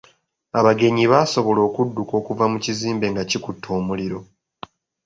Abagenyi baasobola okudduka okuva mu kizimbe nga kikutte omuliro.